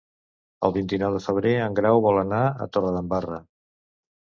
El vint-i-nou de febrer en Grau vol anar a Torredembarra.